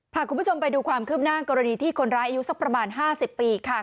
พาคุณผู้ชมไปดูความคืบหน้ากรณีที่คนร้ายอายุสักประมาณ๕๐ปีค่ะ